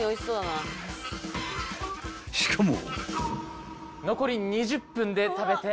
［しかも］